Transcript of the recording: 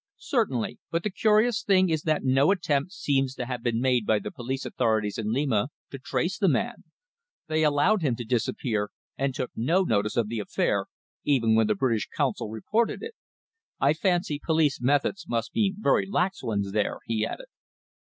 "Certainly. But the curious thing is that no attempt seems to have been made by the police authorities in Lima to trace the man. They allowed him to disappear, and took no notice of the affair, even when the British Consul reported it. I fancy police methods must be very lax ones there," he added.